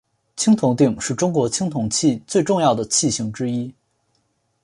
青铜鼎是中国青铜器最重要的器形之一。